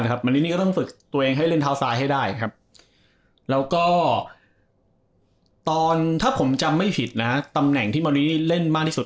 มารินีก็ต้องฝึกตัวเองให้เล่นเท้าซ้ายให้ได้ครับแล้วก็ตอนถ้าผมจำไม่ผิดนะฮะตำแหน่งที่มอรี่เล่นมากที่สุด